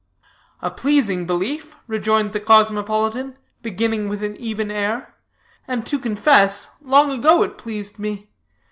"A pleasing belief," rejoined the cosmopolitan, beginning with an even air, "and to confess, long ago it pleased me.